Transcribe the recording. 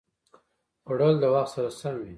خوړل د وخت سره سم وي